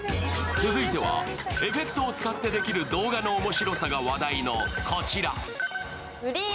続いてはエフェクトを使ってできる動画の面白さが話題のこちら。